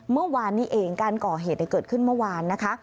เมื่อวานนี้เองการก่อเหตุเกิดขึ้นเมื่อวานนะคะ